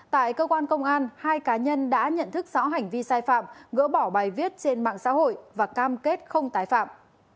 tại cơ quan công an hai cá nhân đã nhận thức rõ hành vi sai phạm gỡ bỏ bài viết trên mạng xã hội và cam kết không tái phạm